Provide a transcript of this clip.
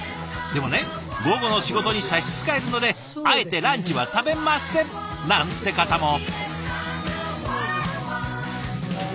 でもね午後の仕事に差し支えるのであえてランチは食べませんなんて方も。